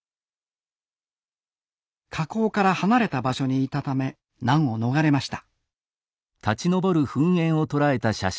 火口から離れた場所にいたため難を逃れました